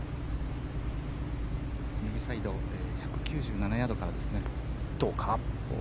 右サイド１９７ヤードからですね。